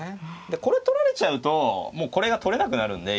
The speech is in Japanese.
でこれ取られちゃうともうこれが取れなくなるんで。